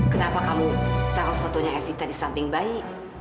kenapa kamu taruh fotonya evita di samping bayi